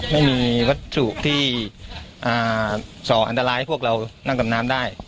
ไม่มีวัตถุที่ส่ออันตรายให้พวกเรานั่งกับน้ำได้